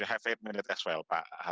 orang orang untuk tinggal di rumah